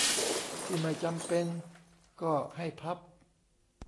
ที่ไม่จำเป็นก็ให้พับ